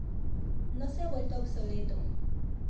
No se ha vuelto obsoleto.